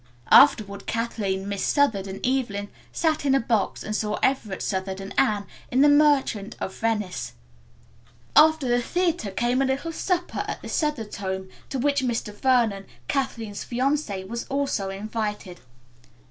Afterward Kathleen, Miss Southard and Evelyn sat in a box and saw Everett Southard and Anne in "The Merchant of Venice." After the theater came a little supper at the Southards' home to which Mr. Vernon, Kathleen's fiancé, was also invited.